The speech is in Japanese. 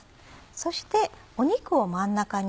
そして肉を真ん中に。